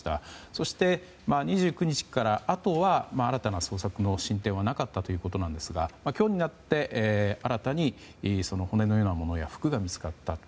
そして、２９日からあとは新たな捜索の進展はなかったということなんですが今日になって新たに骨のようなものや服が見つかったと。